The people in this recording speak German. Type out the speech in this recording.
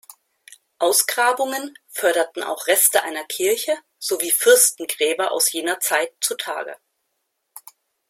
Ausgrabungen förderten auch Reste einer Kirche sowie Fürstengräber aus jener Zeit zutage.